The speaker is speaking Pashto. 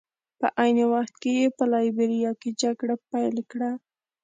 په عین وخت کې یې په لایبیریا کې جګړه پیل کړه.